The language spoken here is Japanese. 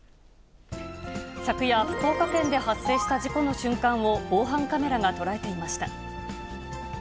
昨夜、福岡県で発生した事故の瞬間を防犯カメラが捉えていました。